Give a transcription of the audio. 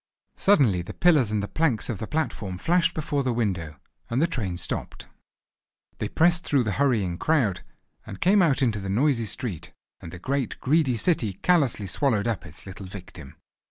Suddenly the pillars and the planks of the platform flashed before the window, and the train stopped. They pressed through the hurrying crowd, and came out into the noisy street; and the great, greedy city callously swallowed up its little victim.